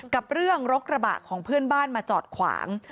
กับเรื่องรถกระบะของเพื่อนบ้านมาจอดขวาง